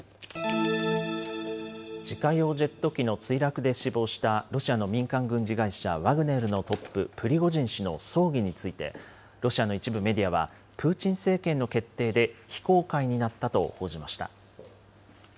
自家用ジェット機の墜落で死亡した、ロシアの民間軍事会社、ワグネルのトップ、プリゴジン氏の葬儀について、ロシアの一部メディアは、プーチン政権の決定で非公開になったと報じました。